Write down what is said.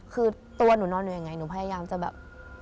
คือตัวหนูนอนอยู่ยังไงหนูพยายามจะแบบ